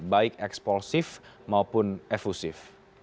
baik ekspulsif maupun efusif